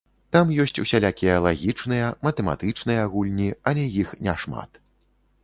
Там ёсць усялякія лагічныя, матэматычныя гульні, але іх не шмат.